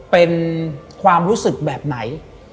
เป็นความรู้สึกแบบไหน